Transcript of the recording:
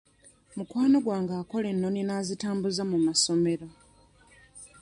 Mukwano gwange akola ennoni n'azitambuza mu masomero.